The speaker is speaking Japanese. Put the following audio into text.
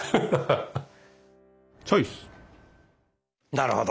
なるほど。